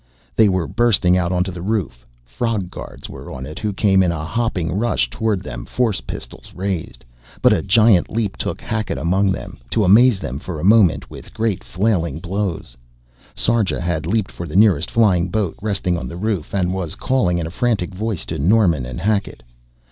They were bursting out onto the roof. Frog guards were on it who came in a hopping rush toward them, force pistols raised. But a giant leap took Hackett among them, to amaze them for a moment with great flailing blows. Sarja had leaped for the nearest flying boat resting on the roof, and was calling in a frantic voice to Norman and Hackett.